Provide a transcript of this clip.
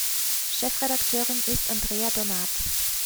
Chefredakteurin ist Andrea Donat.